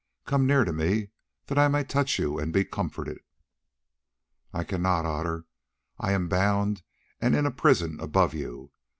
Come near to me that I may touch you and be comforted." "I cannot, Otter; I am bound and in a prison above you.